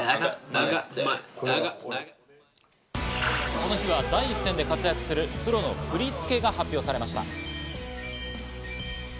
この日は第一線で活躍するプロの振り付けが発表されました。